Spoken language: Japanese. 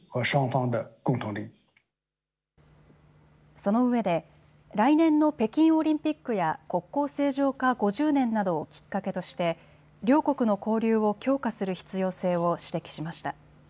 そのうえで来年の北京オリンピックや国交正常化５０年などをきっかけとして両国の交流を強化する必要性を指摘しました。